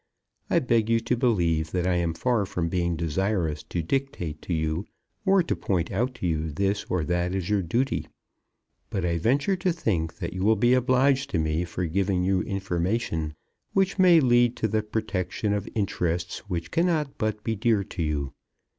I beg you to believe that I am far from being desirous to dictate to you, or to point out to you this or that as your duty; but I venture to think that you will be obliged to me for giving you information which may lead to the protection of interests which cannot but be dear to you.